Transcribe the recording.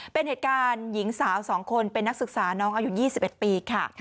เป็นเหตุการณ์หญิงสาว๒คนเป็นนักศึกษาน้องอายุ๒๑ปีค่ะ